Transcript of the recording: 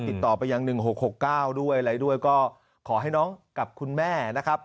ติดต่อไปยัง๑๖๖๙ด้วยอะไรด้วยก็ขอให้น้องกับคุณแม่นะครับ